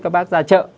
các bác ra chợ